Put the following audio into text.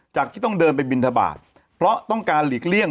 ที่ต้องเดินไปบินทบาทเพราะต้องการหลีกเลี่ยง